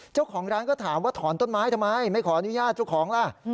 เจ้าของร้านก็ถามว่าถอนต้นไม้ทำไมไม่ขออนุญาตเจ้าของล่ะ